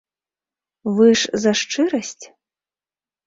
Вы ж за шчырасць?